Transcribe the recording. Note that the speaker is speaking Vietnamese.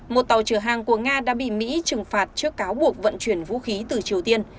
một tàu chở hàng của nga đã bị mỹ trừng phạt trước cáo buộc vận chuyển vũ khí từ triều tiên